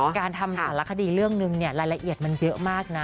การทำสารคดีเรื่องหนึ่งเนี่ยรายละเอียดมันเยอะมากนะ